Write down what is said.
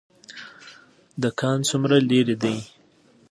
دکان څومره لرې دی؟